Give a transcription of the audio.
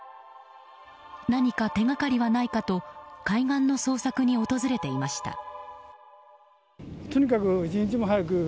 何か手がかりはないかと海岸の捜索に訪れていました。